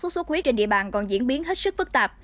sốt xuất huyết trên địa bàn còn diễn biến hết sức phức tạp